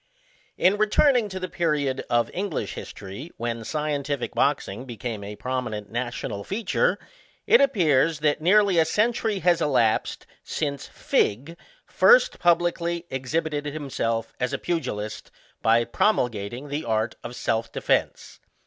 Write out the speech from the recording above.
In returning to the period of English history, when scientific boxing became a prominent national feature, it appears, that nearly a century has elapsed since FiGG first publicly exhibited himself as a pugilist, by promulgating the art of self defence.